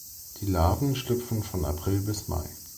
Die Larven schlüpfen von April bis Mai.